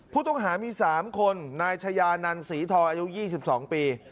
ผู้ต้องหามี๓คนนายชายานันศรีทองอายุ๒๒ปี